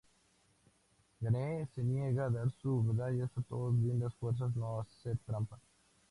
Gene se niega a dar sus medallas y todos Linda fuerzas no hacer trampa.